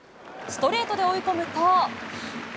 ストレートで追い込むと。